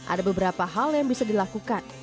ada beberapa hal yang bisa dilakukan